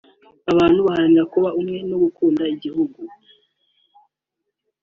abantu baharanira kuba umwe no gukunda igihugu